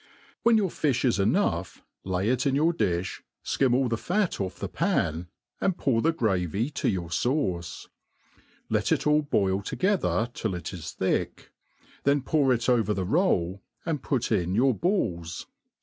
When your fiflx is enough, lay it in your di(b, ikim all the fat ofi^the pan, and pour the gravy to youi^ fauce. Let it all boil together till it is thick ; then pour it over the roll, and put in your balls.